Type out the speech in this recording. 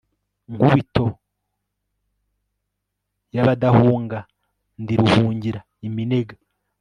Nkubito yabadahunga ndi Ruhungira iminega